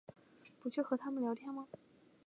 不去和他们聊天吗？